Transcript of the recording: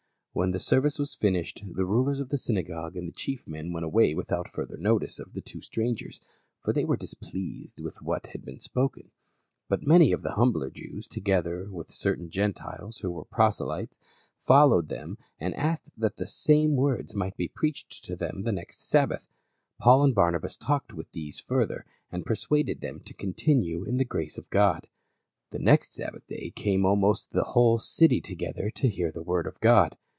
When the service was finished, the rulers of the synagogue and the chief men went away without fur ther notice of the two strangers, for they were dis pleased with what had been spoken, but many of the humbler Jews, together with certain Gentiles who were proselytes, followed them and asked that the same words might be preached to them the next Sabbath ; Paul and Barnabas talked with these further and per suaded them to continue in the grace of God. The next Sabbath day came almost the whole city together to hear the word of God.